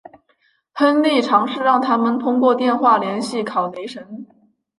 亨利尝试让他们通过电话联系考雷什。